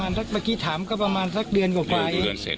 เมื่อกี้ถามก็ประมาณสักเดือนกว่าเอง